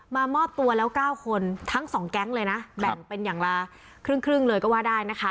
มามอบตัวแล้ว๙คนทั้งสองแก๊งเลยนะแบ่งเป็นอย่างละครึ่งเลยก็ว่าได้นะคะ